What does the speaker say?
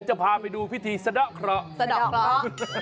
เป็นที่จะพาไปดูพิธีศัตอเกราะ